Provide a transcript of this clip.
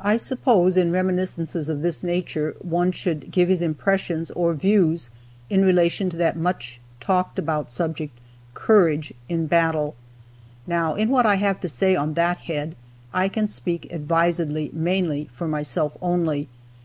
I suppose, in reminiscences of this nature, one should give his impressions, or views, in relation to that much talked about subject, "Courage in battle." Now, in what I have to say on that head, I can speak advisedly mainly for myself only.